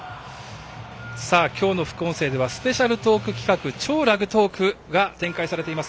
今日の副音声ではスペシャルトーク企画「超ラグトーク！」が展開されています。